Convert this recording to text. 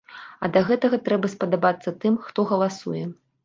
А да гэтага трэба спадабацца тым, хто галасуе.